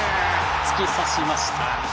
突き刺しました。